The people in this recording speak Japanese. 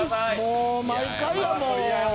もう、毎回やもん。